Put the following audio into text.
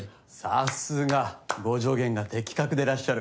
さすがご助言が的確でらっしゃる。